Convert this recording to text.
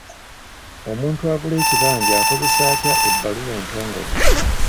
Omuntu agula ekibanja akozesa atya ebbaluwa entongole?